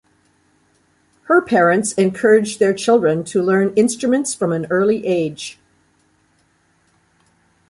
Her parents encouraged their children to learn instruments from an early age.